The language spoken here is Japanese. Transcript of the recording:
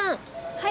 はい。